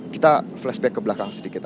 kita flashback ke belakang sedikit